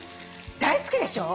大好きでしょ？